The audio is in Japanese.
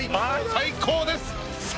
最高です。